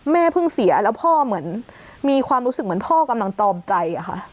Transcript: เพิ่งเสียแล้วพ่อเหมือนมีความรู้สึกเหมือนพ่อกำลังตอมใจอะค่ะ